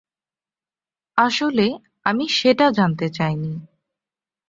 আসলে, আমি সেটা জানতে চাইনি।